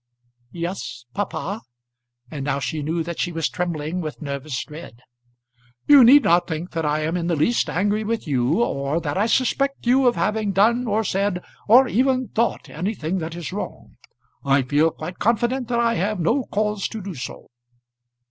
"Yes, papa." And now she knew that she was trembling with nervous dread. "You need not think that I am in the least angry with you, or that I suspect you of having done or said, or even thought anything that is wrong. I feel quite confident that I have no cause to do so."